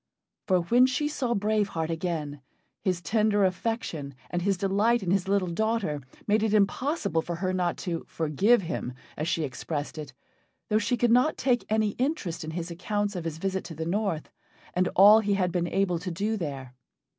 For when she saw Brave Heart again, his tender affection and his delight in his little daughter made it impossible for her not to "forgive him," as she expressed it, though she could not take any interest in his accounts of his visit to the north and all he had been able to do there.